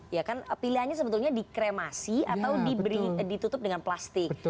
ya kan pilihannya sebetulnya dikremasi atau ditutup dengan plastik